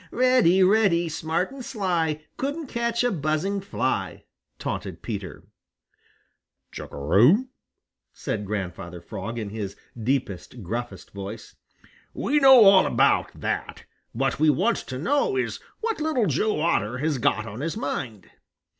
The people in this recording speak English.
"Reddy, Reddy, smart and sly, Couldn't catch a buzzing fly!" taunted Peter. "Chug a rum!" said Grandfather Frog in his deepest, gruffest voice. "We know all about that. What we want to know is what Little Joe Otter has got on his mind."